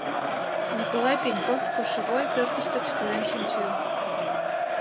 Николай Пеньков кошевой пӧртыштӧ чытырен шинчен.